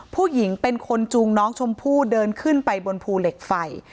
ผู้หญิงเป็นคนจูงน้องชมพู่เดินขึ้นไปบนภูเหล็กไฟ